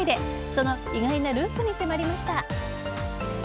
その意外なルーツに迫りました。